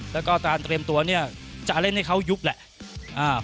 แล้วก็การเตรียมตัวเนี่ยจะเล่นให้เขายุบแหละ